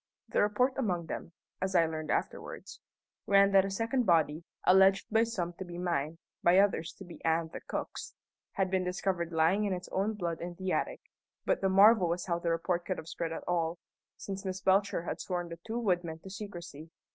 The report among them (as I learned afterwards) ran that a second body alleged by some to be mine, by others to be Ann the cook's had been discovered lying in its own blood in the attic; but the marvel was how the report could have spread at all, since Miss Belcher had sworn the two woodmen to secrecy.